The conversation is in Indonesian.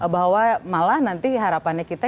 bahwa malah nanti harapannya kita